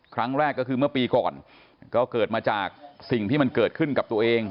ครั้งแรกก็คือเมื่อปีก่อนก็เกิดมาจากสิ่งที่มันเกิดขึ้นกับตัวเอง